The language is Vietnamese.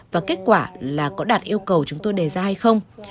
và kết quả là có đạt yêu cầu chúng tôi đề ra hay không